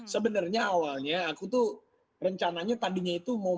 sebenarnya awalnya aku tuh rencananya tandinya itu mau menikah